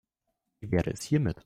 Wie wäre es hiermit?